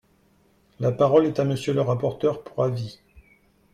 La parole est à Monsieur le rapporteur pour avis.